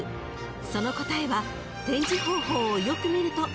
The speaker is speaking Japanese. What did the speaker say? ［その答えは展示方法をよく見ると分かります］